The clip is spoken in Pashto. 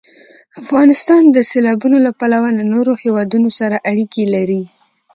افغانستان د سیلابونو له پلوه له نورو هېوادونو سره اړیکې لري.